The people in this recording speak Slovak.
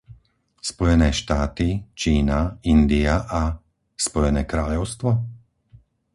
Spojené štáty, Čína, India a... Spojené kráľovstvo?